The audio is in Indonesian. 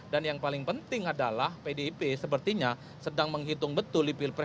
dan yang paling penting adalah pdip sepertinya sedang menghitung betul di pilpres dua ribu dua puluh empat